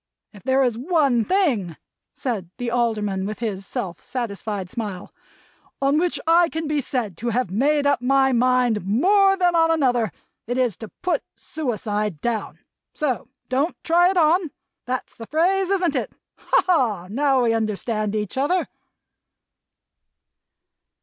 If there is one thing," said the Alderman, with his self satisfied smile, "on which I can be said to have made up my mind more than on another, it is to Put suicide Down. So don't try it on. That's the phrase, isn't it! Ha, ha! now we understand each other."